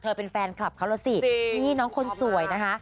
เป็นแฟนคลับเขาแล้วสินี่น้องคนสวยนะคะ